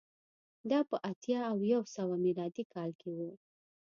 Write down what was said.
دا په اتیا او یو سوه میلادي کال کې و